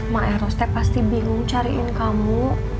mak eros dia pasti bingung cariin kamu